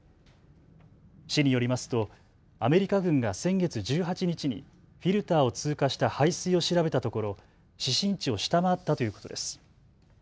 市によりますとアメリカ軍が先月１８日にフィルターを通過した排水を調べたところ指針値を下回ったということです。